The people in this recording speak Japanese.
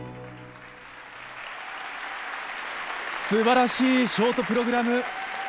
すばらしいショートプログラム。